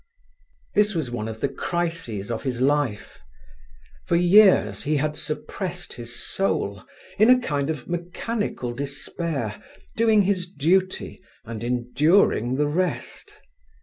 This was one of the crises of his life. For years he had suppressed his soul, in a kind of mechanical despair doing his duty and enduring the rest.